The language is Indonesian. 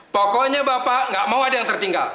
pokoknya bapak nggak mau ada yang tertinggal